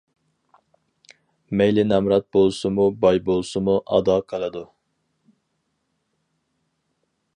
مەيلى نامرات بولسىمۇ باي بولسىمۇ ئادا قىلىدۇ.